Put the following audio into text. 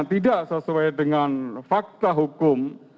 tidak sesuai dengan fakta hukum